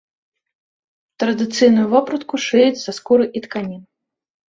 Традыцыйную вопратку шыюць са скуры і тканін.